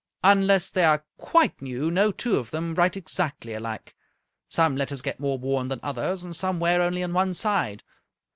Unless they are quite new no two of them write exactly alike. Some letters get more worn than others, and some wear only on one side.